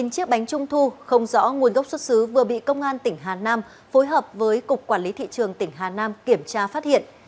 một mươi chiếc bánh trung thu không rõ nguồn gốc xuất xứ vừa bị công an tỉnh hà nam phối hợp với cục quản lý thị trường tỉnh hà nam kiểm tra phát hiện